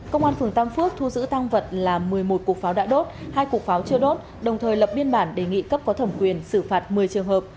công an phường tam phước thu giữ tăng vật là một mươi một cục pháo đã đốt hai cục pháo chưa đốt đồng thời lập biên bản đề nghị cấp có thẩm quyền xử phạt một mươi trường hợp